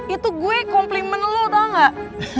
itu gue komplimen lo tau gak